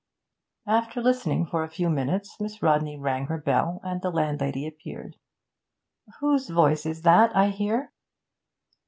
After listening for a few minutes, Miss Rodney rang her bell, and the landlady appeared. 'Whose Voice is that I hear?'